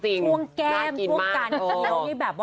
ตรงแก้มทุกการครับ